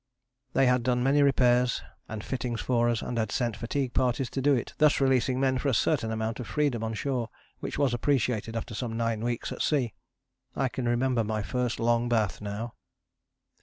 They had done many repairs and fittings for us and had sent fatigue parties to do it, thus releasing men for a certain amount of freedom on shore, which was appreciated after some nine weeks at sea. I can remember my first long bath now.